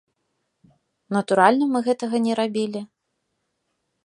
Натуральна мы гэтага не рабілі.